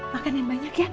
makan yang banyak ya